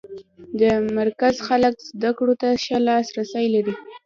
د مرکز خلک زده کړو ته ښه لاس رسی لري.